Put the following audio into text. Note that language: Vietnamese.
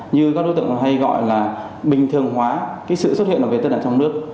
như các đối tượng hay gọi là bình thường hóa cái sự xuất hiện của việt tân ở trong nước